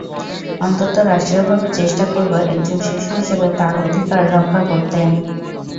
অন্তত রাষ্ট্রীয়ভাবে চেষ্টা করব একজন শিশু হিসেবে তার অধিকার রক্ষা করতে।